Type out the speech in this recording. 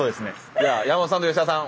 じゃあ山本さんと吉田さん